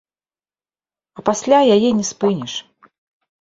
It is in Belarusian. А пасля яе не спыніш.